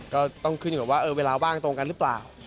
ก็ต้องขึ้นอยู่กับว่าเวลาว่างตรงกันหรือเปล่า